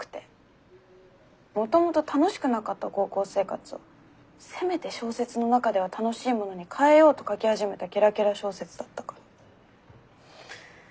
もともと楽しくなかった高校生活をせめて小説の中では楽しいものに変えようと書き始めたキラキラ小説だったからネタが尽きた感じ。